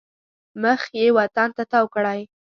مخ یې وطن ته تاو کړی.